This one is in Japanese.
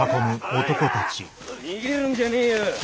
逃げるんじゃねえよ。